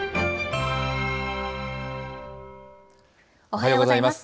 おはようございます。